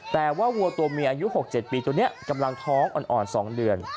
แต่ว่าวัวตัวเมียอายุ๖๗ปีตัวนี้กำลังท้องอ่อน๒เดือน